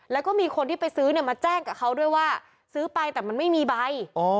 แล้วก็มีคนที่ไปซื้อเนี่ยมาแจ้งกับเขาด้วยว่าซื้อไปแต่มันไม่มีใบ